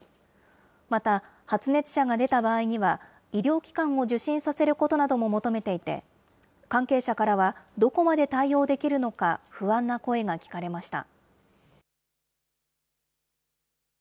また発熱者が出た場合には、医療機関を受診させることなども求めていて、関係者からはどこまで対応できるのか、不安な声が聞かれました。